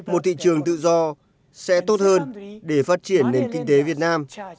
một thị trường tự do sẽ tốt hơn để phát triển nền kinh tế việt nam